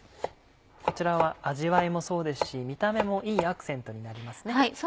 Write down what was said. こちらは味わいもそうですし見た目もいいアクセントになりますね。